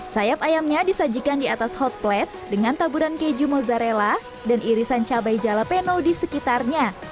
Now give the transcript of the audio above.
sayap ayamnya disajikan di atas hot plate dengan taburan keju mozzarella dan irisan cabai jalapeno di sekitarnya